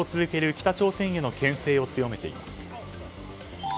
北朝鮮への牽制を強めています。